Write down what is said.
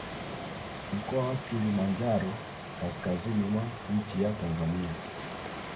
Mkoa wa Kilimanjaro kaskazini mwa nchi ya Tanzania